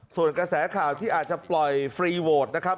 ส่วนกระแสข่าวที่อาจจะปล่อยฟรีโวทนะครับ